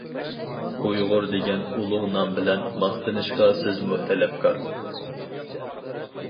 ئۇيغۇر دېگەن ئۇلۇغ نام بىلەن، ماختىنىشقا سىزمۇ تەلەپكار.